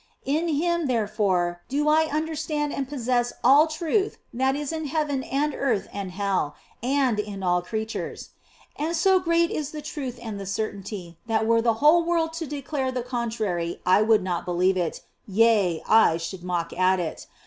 In Him, therefore, do I understand and possess all truth that is in heaven and earth and hell, and in all creatures ; and so great is the truth and the certainty that were the whole world to declare the contrary I would not believe it, yea, I should mock at it.